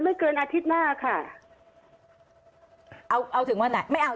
ไม่เกินอาทิตย์หน้าค่ะเอาเอาถึงวันไหนไม่เอา